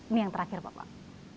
ini yang terakhir bapak